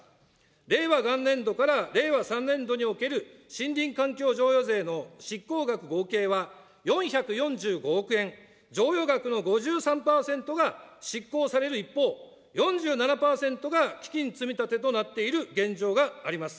令和元年度から令和３年度における森林環境譲与税の執行額合計は４４５億円、譲与額の５３％が執行される一方、４７％が基金積み立てとなっている現状があります。